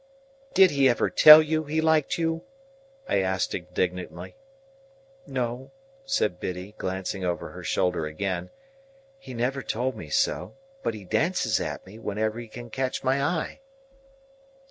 "Did he ever tell you he liked you?" I asked indignantly. "No," said Biddy, glancing over her shoulder again, "he never told me so; but he dances at me, whenever he can catch my eye."